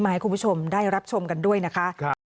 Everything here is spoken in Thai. ให้คุณผู้ชมได้รับชมกันด้วยนะคะ